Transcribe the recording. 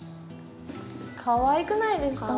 かわいくないですか？